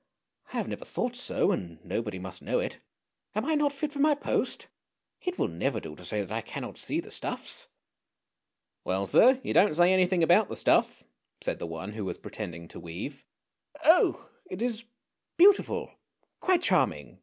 I have never thought so, and nobody must know it. Am I not fit for my post ? It will never do to say that I cannot see the stuffs." " Well, sir, you don't say anything about the stuff," said the one who was pretending to weave. " Oh, it is beautiful! quite charming!